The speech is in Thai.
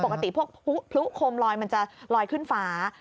ปกติพวกพลุโคมลอยมันจะลอยขึ้นฟ้า